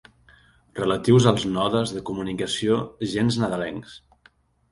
Relatius als nodes de comunicació gens nadalencs.